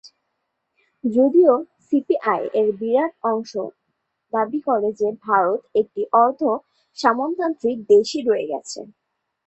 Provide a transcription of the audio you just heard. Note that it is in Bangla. যদিও সিপিআই-এর একটি বিরাট অংশ দাবি করে যে ভারত একটি অর্ধ-সামন্ততান্ত্রিক দেশই রয়ে গিয়েছে।